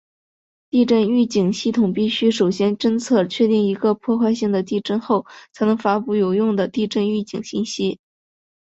地震预警系统必须首先侦测确定一个破坏性的地震后才能发布有用的地震预警信息。